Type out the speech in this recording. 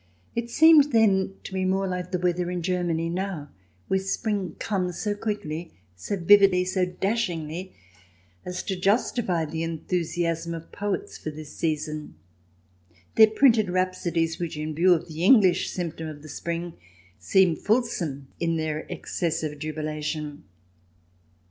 It seemed then to be more like the weather in Ger many now, where spring comes so quickly, so vividly, so dashingly, as to justify the enthusiasm of poets for this season ; their printed rhapsodies which, in view of the English symptom of the spring, seem fulsome in their excessive jubilation.